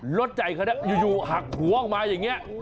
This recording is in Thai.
รถใจเขาอยู่หักหัวออกมาอย่างนี้